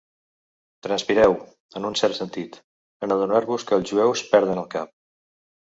Transpireu, en un cert sentit, en adonar-vos que els jueus perden el cap.